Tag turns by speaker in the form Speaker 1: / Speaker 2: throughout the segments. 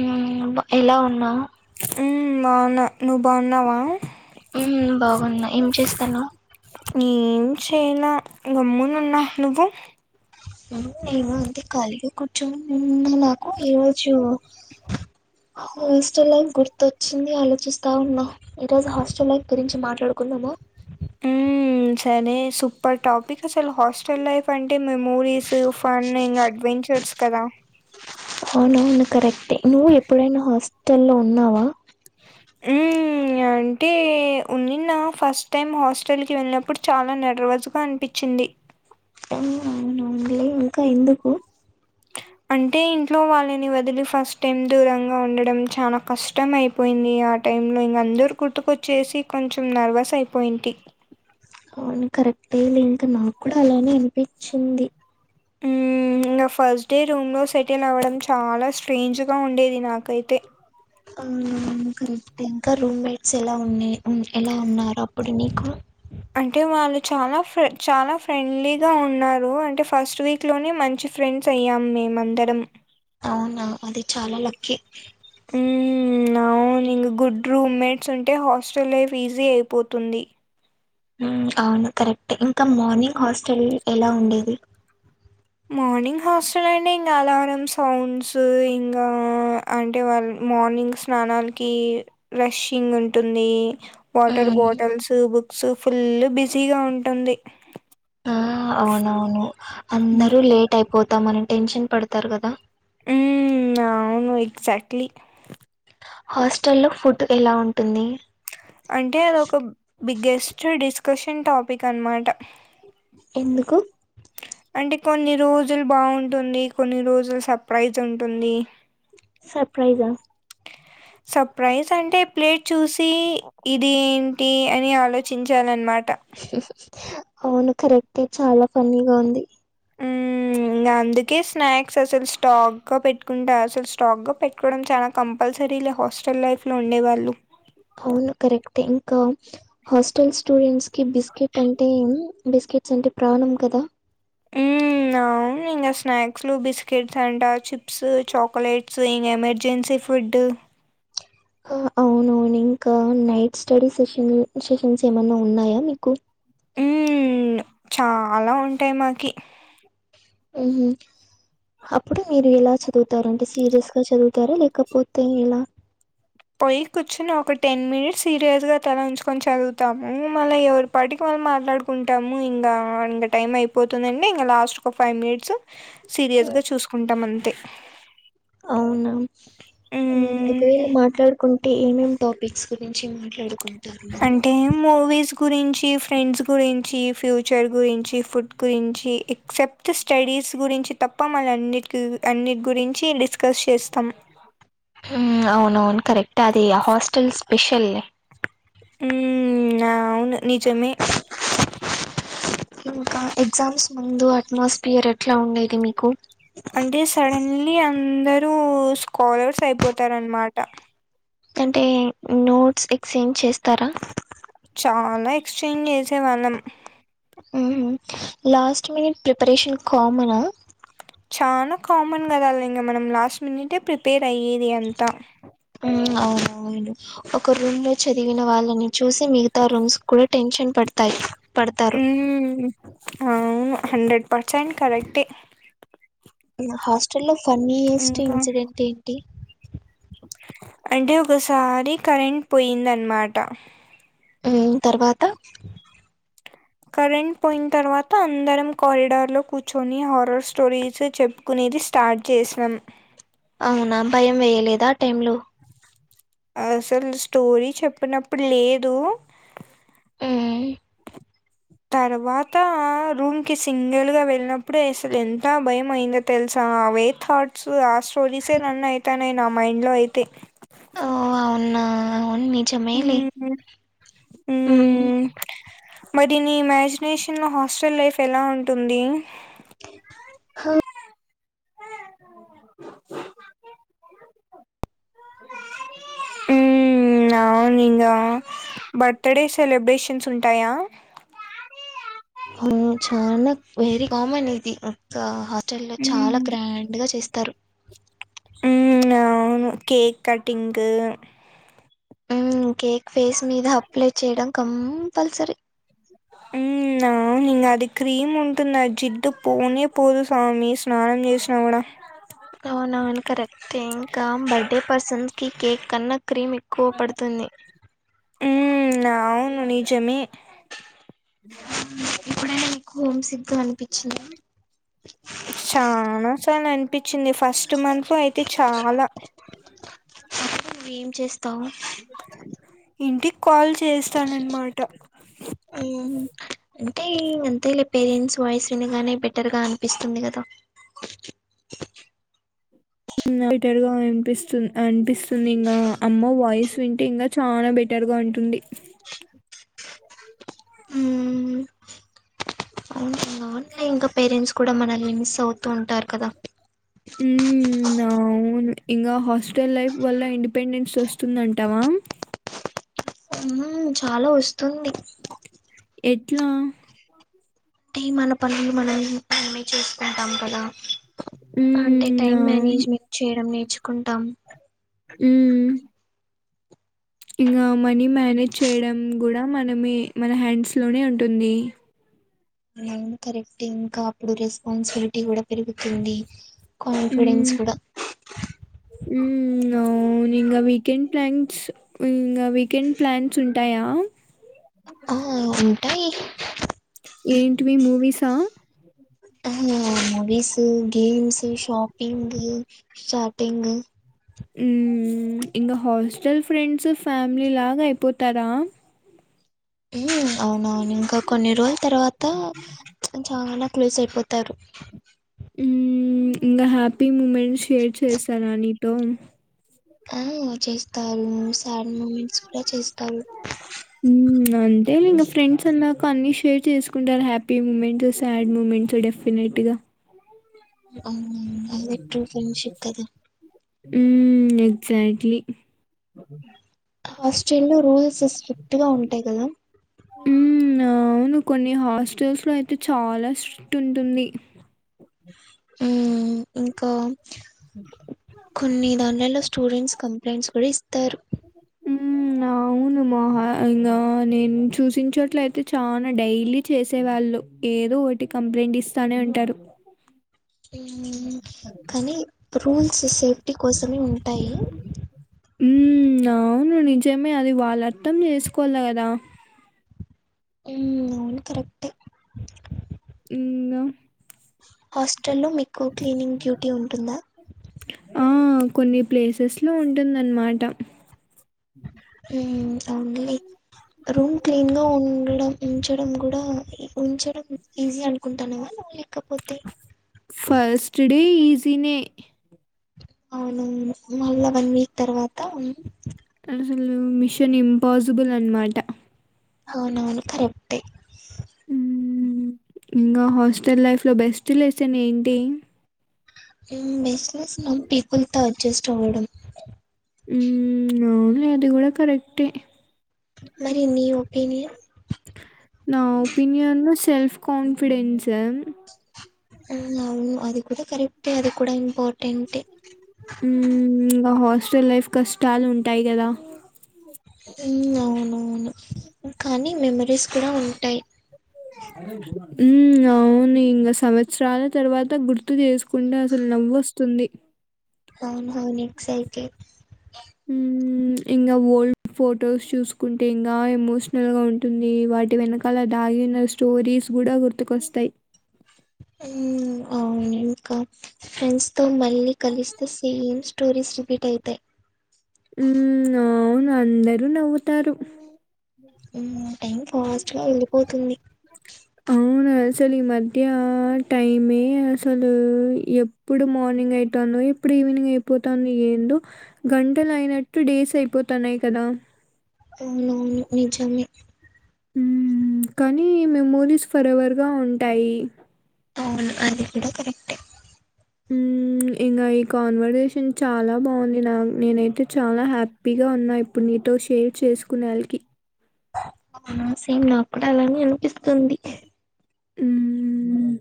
Speaker 1: హ్ బ ఎలా ఉన్నావ్
Speaker 2: మ్ బాగున్నా నువ్వు బాగున్నావా
Speaker 1: హ్ బాగున్నా ఏం చేస్తాన్నవు
Speaker 2: నేను ఏం చేయనా గమ్మున ఉన్నా నువ్వు
Speaker 1: నేను అంతే కలిగ కుర్చున్న నిన్న నాకు ఈ రోజు హాస్టల్ లైఫ్ గుర్తొచ్చింది. ఆలోచిస్తా ఉన్నా ఈ రోజు హాస్టల్ లైఫ్ గురించి మాట్లాడుకుందామా
Speaker 2: మ్మ్, సరే సూపర్ టాపిక్ అసలు హాస్టల్ లైఫ్ అంటే మెమోరీస్ ఫన్ ఇంగ అడ్వెంచర్ పెట్స్ కదా
Speaker 1: అవునవును కరెక్టే నువ్వు ఎప్పుడైనా హాస్టల్లో ఉన్నావా
Speaker 2: హ్ అంటే ఉన్నిన్న ఫస్ట్ టైం హాస్టల్కి వెళ్ళినప్పుడు చాలా నార్వజ్ గ అనిపిచ్చింది.
Speaker 1: [unintelligible] ఇంకా ఎందుకు
Speaker 2: అంటే ఇంట్లో వాళ్ళని వొదిలి ఫస్ట్ టైం దూరంగా ఉండడం చానా కష్ట కష్టం అయిపోయింది. ఆ టైం లో ఇంగ అందరు గుర్తుకొచ్చేసి కొంచెం నర్వస్ అయిపోయింటి
Speaker 1: అవును కరెక్టే లే ఇంకా నాకు కూడా అలానే అనిపిచ్చింది
Speaker 2: హ్మ్. ఇంగ ఫస్ట్డే రూమ్ లో సెటిల్ అవ్వడం చాల స్ట్రేంజ్గా ఉండేది. నాకైతే
Speaker 1: ఔన కరెక్ట్ ఇంక రూమెట్స్ ఎలా ఉన్నె ఎలా ఉన్నారు. అప్పుడు నీకు
Speaker 2: అంటే వాళ్ళు చాల ఫ్రె చాలా ఫ్రెండ్లీగా ఉన్నారు అంటే ఫస్ట్ వీక్ క్లోనే మంచి ఫ్రెండ్స్ అయ్యాం మేమందరం
Speaker 1: ఔనా అది చాల లక్కీ
Speaker 2: ఉ ఔన్ ఇగ్ గుడ్ రూమ్ మేట్స్ ఉంటే హాస్టల్ లైఫ్ ఈజీ అయిపోతుంది.
Speaker 1: ఉ ఔన్ కరెక్ట్ ఇంక మార్నింగ్ హాస్టల్ ఎలా ఉండేది.
Speaker 2: మార్నింగ్ హాస్టల్ అని ఇంగా అలారం సౌండ్స్ ఇంగా అంటే వాళ్ మార్నింగ్ స్నానాలకి రషింగ్ ఉంటుంది. వాటర్
Speaker 1: ఉమ్,
Speaker 2: బాటిల్స్ బుక్స్ ఫుల్ బిజీగ ఉంటుంది.
Speaker 1: ఔనవును అందరూ లేట్ అయిపోతాం అనె టెన్షన్ పడ్తర్ కద
Speaker 2: ఉ ఔను ఎక్సాక్ట్లీ
Speaker 1: హాస్టలో ఫుడ్ ఎల ఉంటుంది.
Speaker 2: అంటే అదొక బిగ్గెస్ట్ డిస్కషన్ టాపిక్ అనమాట
Speaker 1: ఎందుకు
Speaker 2: అంటే కొన్ని రోజులు బాగుంటుంది. కొన్ని రోజులు సర్ప్రైజ్ ఉంటుంది.
Speaker 1: సర్ప్రైజా
Speaker 2: సర్ప్రైజ్ అంటే ప్లేట్ చూసి ఇది ఏంటి అని ఆలోచించాల్న్మాట
Speaker 1: హ్ హ్ ఔను కరెక్టే చాల ఫన్నీగ ఉంది [inaudible]
Speaker 2: ఇంగ్ అందుకే స్నాక్స్ అసలు స్టాక్గా పెట్టుకుంట అసలు స్టాక్గ పెట్టుకోవడం చాన కంపల్సరీలో హాస్టల్ లైఫ్లో ఉండేవాళ్ళు
Speaker 1: ఔను కరెక్టే ఇంక హాస్టల్ స్టూడెంట్స్కి బిస్కెట్ అంటే ఎమ్ బిస్కెట్స్ అంటే ప్రాణం కద [inaudible]
Speaker 2: ఔనింగా స్నాక్స్లు బిస్కెట్స్ అంట చిప్స్ చాక్లట్స్ ఇ ఎమర్జెన్సీ ఫుడ్డు
Speaker 1: అ అవునవును ఇంక నైట్ స్టడీ సెషన్ సెషన్స్ ఏమన్న ఉన్నాయ మీకు
Speaker 2: ఉమ్మ్మ్న్ చాల ఉంటాయ్ మాకి
Speaker 1: ఉహు అప్డు మీరు ఎలా చదువుతారు అంటే సీరియస్గ చదువుతార లేకపోతే ఎలా
Speaker 2: పొయ్ కుర్చున ఒక టెన్ మినెట్స్ సీరియస్గ తల ఒన్చుకొని చదువుతాము మళ్ల యవడు పటిక మనం మాట్లాడుకుంటము ఇంగ ఇంగ టైం అయిపోతుందండె ఇంగ లాస్ట్ ఒక ఫైవ్ మినెట్స్ సీరియస్గ చూసుకుంటం అంతే
Speaker 1: ఔన ఉ
Speaker 2: హ్మ్.
Speaker 1: ఒకవేళ మాట్లాడుకుంటే ఏమేం టాపిక్స్ గురించి మట్లడు
Speaker 2: అంటే మూవీస్ గురించి ఫ్రెండ్స్ గురించి ఫ్యూచర్ గురించి ఫుడ్ గురించి ఎక్సెప్ ప్ట్ స్టడీస్ గురించి తప్ప మళ్ అన్నిట్ అన్నిట్ గురించి డిస్కస్ చేస్తమ్
Speaker 1: ఉమ్ అవునవును కరెక్టే అది ఆ హాస్టల్ స్పెషల్ లే
Speaker 2: ఉమ్మ్మ్ నౌను నిజమే
Speaker 1: ఇంకా ఎగ్జామ్స్ ముందు అట్మాస్ఫియర్ ఎట్లా ఉండేది మీకు
Speaker 2: అంటే సడన్లి అందరూ స్కాలర్స్ అయిపోతరన్మాట
Speaker 1: కంటే నోట్స్ ఎక్స్చేంజ్ చేస్తార
Speaker 2: చాలా ఎక్స్చేంజ్ చేసేవాళ్ళం
Speaker 1: ఉ హు లాస్ట్ మినెట్ ప్రిపరేషన్ కామన
Speaker 2: చాన కామన్ గద అల్ ఇంగ మనం లాస్ట్ మినెటే ప్రిపేర్ అయ్యేది అంత
Speaker 1: ఉం ఔన్ ఔను ఒక రూమ్మే చదివిన వాళ్ళని చూసి మిగత రూమ్స్ కూడ టెన్షన్ పడ్తయ్ పడ్తరు
Speaker 2: ఔను హండ్రెడ్ పర్సెంట్ కరెక్ట్ ఏ
Speaker 1: ఇగ హాస్టల్లో ఫన్నీయస్ట్
Speaker 2: ఇంకా
Speaker 1: ఇన్సిడెంట్ ఏంటి
Speaker 2: అంటే ఒకసారి కరెంట్ పోయిందన్మాట
Speaker 1: ఉ తర్వాత
Speaker 2: కరెంట్ పోయిన్ తర్వాత అందరం కారిడర్ లో కూర్చొని హారర్ స్టోరీస్ చెపు కునేది స్టార్ట్ జేస్నాం
Speaker 1: అవునా భయం వేయలేదా ఆ టైమ్ లో
Speaker 2: అసల్ స్టోరీ చెప్పినప్పుడు లేదు
Speaker 1: ఉమ్
Speaker 2: తర్వాతా రూమ్ కి సింగిల్ గా వెళ్ళినప్పుడే అస్సల్ ఎంతా భయం అయిందో తెల్సా అవే థాట్స్ ఆ స్టోరీసే రన్ అయితాన్నయి నా మైండ్లో అయితే
Speaker 1: ఓ అవున్నా అవున్ నిజమేలే
Speaker 2: మ్మ్.
Speaker 1: ఉమ్
Speaker 2: మ్మ్. మరి నీ ఇమాజినేషన్ లో హాస్టల్ లైఫ్ ఎలా ఉంటుంది
Speaker 1: హ
Speaker 2: అవునింగా బర్త్డే సెలబ్రేషన్స్ ఉంటాయా
Speaker 1: హా చాన వెరీ కామన్ ఇది ఇంకా హాస్టల్ లో చాలా
Speaker 2: మ్మ్.
Speaker 1: గ్రాండ్ గా చేస్తారు
Speaker 2: ఉమ్ ప్చ్ అవును కేక్ కటింగూ
Speaker 1: ఉమ్ కేక్ ఫేస్ మీద అప్లై చేయడం కంపల్సరీ
Speaker 2: ఆ ఇంగ అది క్రీమ్ ఉంటుందా జిడ్డు పోనే పోదు స్వామి స్నానం జేస్నా గూడ
Speaker 1: అవునవును కరక్ టింకా బర్డే పర్సన్స్కి కేక్ కన్నా క్రీమ్ ఎక్కువ పడుతుంది
Speaker 2: ఉమ్మ్ అవును నిజమే
Speaker 1: హుమ్ ఎప్పుడైనా మీకు హోమ్ సిగ్గా అన్పిచ్చిందా
Speaker 2: చాన సార్లు అన్పిచ్చింది ఫస్ట్ మంత్లో అయితే చాలా
Speaker 1: అప్పుడు నువేం చేస్తావు
Speaker 2: ఇంటికి కాల్ చేస్తానన్మాట
Speaker 1: మ్ అంటే అంతే లే పేరెంట్స్ వాయిస్ వినగానే బెటర్ గా అనిపిస్తుంది గదా
Speaker 2: విటర్ గా ఇన్పిస్తున్ ఇన్పిస్తుంది ఇంగా అమ్మ వాయిస్ వింటే ఇంగ చాన బెటర్గ ఉంటుంది
Speaker 1: అవునువు ఇంకా పేరెంట్స్ కూడా మనల్ని మిస్ అవుతూ ఉంటారు కదా
Speaker 2: ఉమ్మ్ అవ్ అవును ఇంగా హాస్టల్ లైఫ్ వల్ల ఇండిపెండెన్స్ ఒస్తుందంటవా
Speaker 1: ఉమ్ చాలా ఒస్తుంది
Speaker 2: ఎట్లా
Speaker 1: అంటే మన పనిని మనం మనమే చేస్కుంటాం కదా అంటే
Speaker 2: హ్మ్
Speaker 1: టైమ్
Speaker 2: అవును
Speaker 1: మ్యానేజ్మెంట్ చేయడం నేర్చుకుంటాం
Speaker 2: ఉ ఇంగా మనీ మ్యానేజ్ చేయడం గూడా మనమే మన హ్యాండ్స్లోనే ఉంటుంది
Speaker 1: అవునవున్ కరెక్టే ఇంకా అప్పుడు రెస్పాన్సిబ్లిటీ గూడా పెరుగుతుంది కాన్ఫిడెన్స్ గుడ
Speaker 2: ఉమ్మ్ అవ్నింగా వీకెండ్ ప్లాన్స్ ఇంగా వీకెండ్ ప్లాన్స్ ఉంటాయా
Speaker 1: ఆ ఉంటయ్
Speaker 2: ఏంటివి మూవీసా
Speaker 1: ఆ మూవీసూ గేమ్సు షాపింగు షార్టింగు
Speaker 2: ఉమ్మ్ ప్చ్ ఇంగ హాస్టల్ ఫ్రెండ్సు ఫ్యామిలీ లాగా అయిపోతరా
Speaker 1: ఉమ్ అవునవును ఇంకా కొన్ని రోజుల్ తర్వాత ప్చ్ చాన క్లోజ్ అయిపోతారు
Speaker 2: ఉహ్ ఇంకా హ్యాపీ మూమెంట్ షేర్ చేసానా నీతో
Speaker 1: ఆ చేస్తారు సాడ్ మూమెంట్స్ కూడా చేస్తాలు
Speaker 2: అంటే ఇంకా ఫ్రెండ్స్ అన్నాక అన్ని షేర్ చేస్కుంటారు హ్యాపీ మూమెంట్స్ సాడ్ మూమెంట్స్ డెఫినెట్గా
Speaker 1: అవ్ను అదే ట్రూ ఫ్రెండ్షిప్ కద
Speaker 2: ఉహ్ ఎక్జాక్ట్లీ
Speaker 1: హాస్టలో రూల్స్ స్ట్రిక్ట్గా ఉంటాయి గదా
Speaker 2: మ్మ్ అవ్ను కొన్ని హాస్టల్స్లో అయితే చాలా స్ట్రిక్టుంటుంది
Speaker 1: మ్మ్ ఇంకా కొన్ని దాన్లలో స్టూడెంట్స్ కంప్లైంట్స్ కూడ ఇస్తారు
Speaker 2: అవ్ను మోహ ఇంగా నేను చూసిన చోట్ల్తే చానా డైలీ చేసేవాళ్ళు ఏదో ఒటి కంప్లైంట్ ఇస్తానే ఉంటారు
Speaker 1: హ్మ్ కానీ రూల్స్ సేఫ్టీ కోసమే ఉంటాయి
Speaker 2: మ్మ్ అవ్ను నిజమే అది వాళ్ళర్థం చేస్కోవాల కదా
Speaker 1: అవ్ను కరెక్టే
Speaker 2: ఇంగా
Speaker 1: హాస్టల్లో మీక్కు క్లీనింగ్ డ్యూటీ ఉంటుందా
Speaker 2: ఆ కొన్ని ప్లేసెస్లో ఉంటుందన్మాట
Speaker 1: మ్మ్ అవ్నులే రూమ్ క్లీన్గా ఉండడం ఉంచడం గూడా ఉంచడం ఈజీ అనుకుంటానేమో కాపోతే
Speaker 2: ఫస్ట్ డే ఈజీనే
Speaker 1: అవునవును మళ్ళ వన్ వీక్ తర్వాత
Speaker 2: అసలు మిషనింపాసిబుల్ అన్మాట
Speaker 1: అవునవును కరెక్టే
Speaker 2: హ్మ్. ఇంగా హాస్టల్ లైఫ్లో బెస్ట్ లెస్సనేంటి
Speaker 1: మ్మ్ బెస్ట్ లెసను పీపుల్తో అడ్జస్ట్ అవడం
Speaker 2: ఉమ్ అవ్నులే అది గుడా కరెక్టే
Speaker 1: మరి నీ ఒపీనియన్
Speaker 2: నా ఒపీన్యన్ సెల్ఫ్ కన్ఫిడెన్స్
Speaker 1: అవ్నవ్ను అది కుడా కరెక్టే అది కుడ ఇంపార్టెంటే
Speaker 2: ఉమ్ ఇంగ హాస్టల్ లైఫ్ కష్టాలుంటాయి గదా
Speaker 1: ఉహ్ అవునవును కానీ మెమరీస్ కూడా ఉంటాయ్
Speaker 2: అరవు ఉమ్ అవ్ను ఇంగ సంవత్సరాల తర్వాత గుర్తు జేస్కుంటే అసలు నవ్వొస్తుంది
Speaker 1: అవ్ను హవ్ను ఎక్సైతే
Speaker 2: మ్మ్ ఇంగ ఓల్డ్ ఫొటోస్ చూస్కుంటే ఇంగా ఎమోషనల్గా ఉంటుంది వాటి వెనక దాగిన స్టోరీస్ కూడా గుర్తుకొస్తాయ్
Speaker 1: అవ్నింకా ఫ్రెండ్స్తో మళ్ళీ కలిస్తే సేమ్ స్టోరీస్ రిపీటైతే
Speaker 2: మ్మ్ అవ్ను అందరూ నవ్వుతారు
Speaker 1: టైం ఫాస్ట్గా వెళ్ళిపోతుంది
Speaker 2: అవ్ను అసలు ఈ మధ్యా టైమే అసలూ ఇప్పుడు మార్నింగైతాందో ఇప్పుడు ఈవినింగ్ అయిపోతాందో ఏందో గంటలు అయినట్టు డేస్ అయిపోతాన్నాయ్ కదా
Speaker 1: అవ్నువ్ను నిజమే
Speaker 2: ఉమ్ కానీ మెమోరిస్ ఫరెవర్గా ఉంటాయి
Speaker 1: అవును అది కూడా కరెక్ట్
Speaker 2: ఊ ఇంగ్ ఇంగా ఈ కాన్వరేషన్ చాలా బాంది నా నేనైతే చాలా హ్యాపీగా ఉన్నా ఇప్పుడు నీతో షేర్ చేస్కున్న్యాల్కి
Speaker 1: ఆ సేమ్ నా క్కుడ అలానే అనిపిస్తుంది
Speaker 2: ఊమ్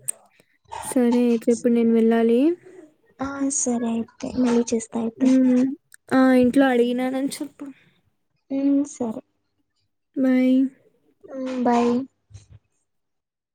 Speaker 2: సరే అయితే ఇప్పుడు నేన్ వెళ్ళాలి
Speaker 1: ఆహాన్ సరే అయితే మళ్ళీ చేస్
Speaker 2: ఊ ఆ ఇంట్లో అడిగినానన్ చొప్పు
Speaker 1: ఉమ్ సరే
Speaker 2: బై
Speaker 1: ఊ బాయి